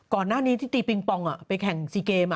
ก่อนหน้านี้ที่ตีปิงปองไปแข่งซีเกม